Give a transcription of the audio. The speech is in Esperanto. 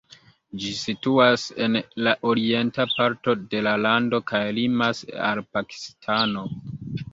Ĝi situas en la orienta parto de la lando kaj limas al Pakistano.